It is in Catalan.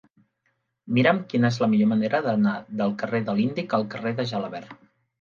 Mira'm quina és la millor manera d'anar del carrer de l'Índic al carrer de Gelabert.